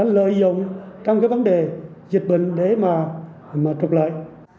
lợi dụng trong vấn đề dịch bệnh để trục lợi